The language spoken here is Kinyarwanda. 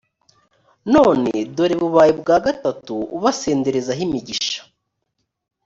none dore bubaye ubwa gatatu ubasenderezaho imigisha.